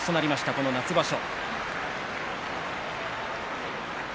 この夏場所。